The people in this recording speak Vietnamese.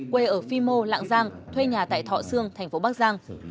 quê ở phi mô lạng giang thuê nhà tại thọ sương tp bắc giang